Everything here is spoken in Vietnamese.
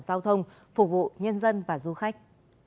giao thông phục vụ nhân dân và du khách